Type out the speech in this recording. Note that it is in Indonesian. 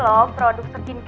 lo terima kasih anak